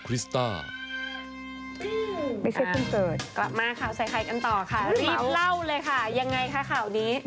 รีบเล่าเลยค่ะยังไงค่ะข่าวนี้